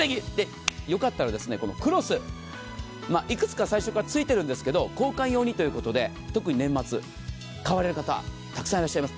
よかったらこのクロス、いくつか最初についているんですけど交換用にということで、特に年末、買われる方たくさんいらっしゃいます。